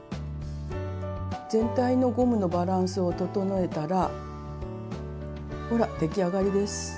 全体のゴムのバランスを整えたらほら出来上がりです！